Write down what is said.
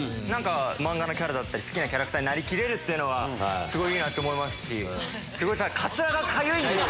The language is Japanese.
漫画のキャラだったり好きなキャラクターになりきれるのはすごいいいなと思いますし。